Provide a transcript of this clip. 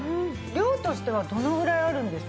量としてはどのぐらいあるんですか？